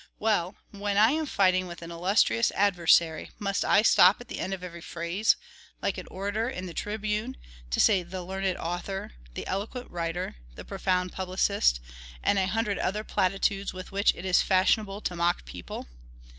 Well, when I am fighting with an illustrious adversary, must I stop at the end of every phrase, like an orator in the tribune, to say "the learned author," "the eloquent writer," "the profound publicist," and a hundred other platitudes with which it is fashionable to mock people?